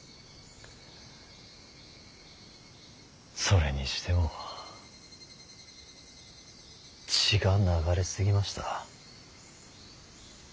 それにしても血が流れ過ぎました。